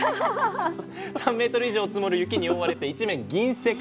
３メートル以上積もる雪に覆われて一面銀世界。